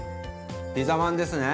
ピザまんですね！